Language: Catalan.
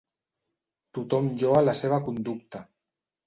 Tothom lloa la seva conducta.